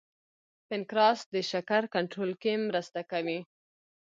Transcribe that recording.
پنکراس د شکر کنټرول کې مرسته کوي